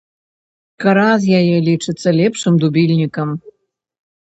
Кара з яе лічыцца лепшым дубільнікам.